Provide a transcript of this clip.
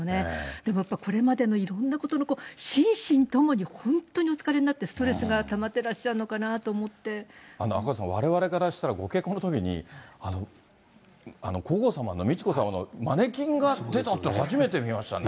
でもやっぱり、これまでのいろんなことの、心身ともに本当にお疲れになってストレスがたまってらっしゃるの赤星さん、われわれからしたら、ご結婚のときに、皇后さまの、美智子さまのマネキンが出たって、初めて見ましたね。